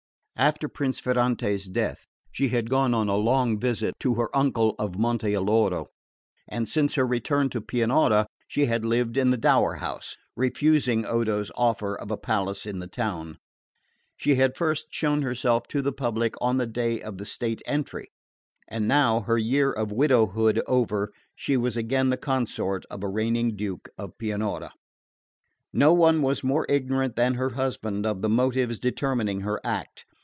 After Prince Ferrante's death she had gone on a long visit to her uncle of Monte Alloro; and since her return to Pianura she had lived in the dower house, refusing Odo's offer of a palace in the town. She had first shown herself to the public on the day of the state entry; and now, her year of widowhood over, she was again the consort of a reigning Duke of Pianura. No one was more ignorant than her husband of the motives determining her act.